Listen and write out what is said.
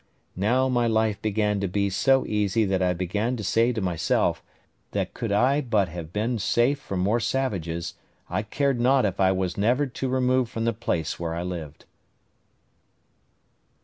Now my life began to be so easy that I began to say to myself that could I but have been safe from more savages, I cared not if I was never to remove from the place where I lived.